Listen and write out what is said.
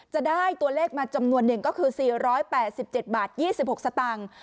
จะได้ตัวเลขมาจำนวนหนึ่งก็คือ๔๘๗บาท๒๖สตางค์